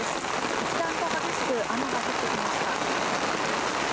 一段と激しく雨が降ってきました。